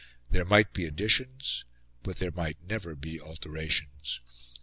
There might be additions, but there might never be alterations.